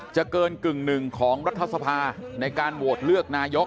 เกินกึ่งหนึ่งของรัฐสภาในการโหวตเลือกนายก